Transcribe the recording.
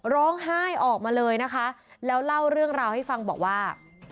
ร้องไห้ออกมาเลยนะคะแล้วเล่าเรื่องราวให้ฟังบอกว่า